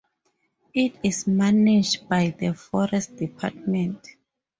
It is managed by the Forest Department.